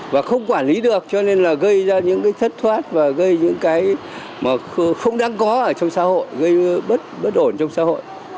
và không quản lý được cho nên là gây ra những cái thất thoát và gây những cái mà không đáng có ở trong xã hội gây bất ổn trong xã hội